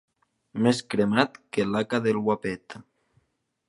Més cremat que l'haca del Guapet.